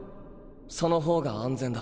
その方が安全だ。